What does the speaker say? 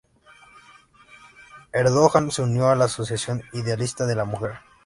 Erdoğan se unió a la "Asociación Idealista de la Mujer".